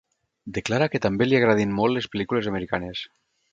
Declara que també li agradin molt les pel·lícules americanes.